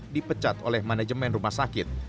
dipecat oleh manajemen rumah sakit